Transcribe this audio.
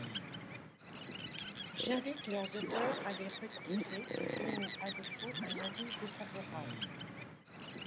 J’invite leurs auteurs à les retirer et émets à défaut un avis défavorable.